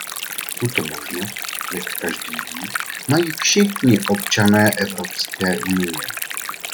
Tuto možnost, jak každý ví, mají všichni občané Evropské unie.